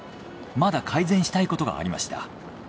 まだ改善したいことがありました。